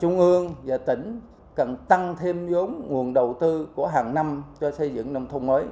trung ương và tỉnh cần tăng thêm giống nguồn đầu tư của hàng năm cho xây dựng nông thôn mới